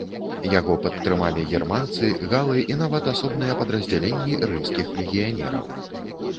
Яго падтрымалі германцы, галы і нават асобныя падраздзяленні рымскіх легіянераў.